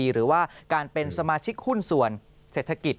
หรือว่าการเป็นสมาชิกหุ้นส่วนเศรษฐกิจ